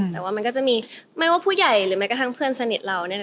แต่ว่ามันก็จะมีไม่ว่าผู้ใหญ่หรือแม้กระทั่งเพื่อนสนิทเรา